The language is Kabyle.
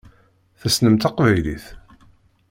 Tessnem taqbaylit?